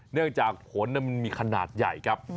เนื่องจากผลมันมีขนาดใหญ่ครับ